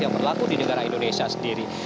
yang berlaku di negara indonesia sendiri